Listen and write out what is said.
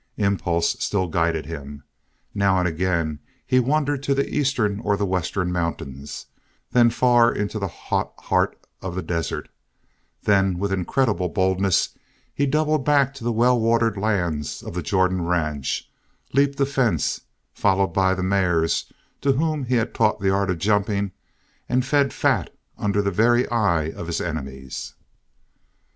Impulse still guided him. Now and again he wandered to the eastern or the western mountains, then far into the hot heart of the desert, then, with incredible boldness, he doubled back to the well watered lands of the Jordan ranch, leaped a fence, followed by the mares to whom he had taught the art of jumping, and fed fat under the very eye of his enemies.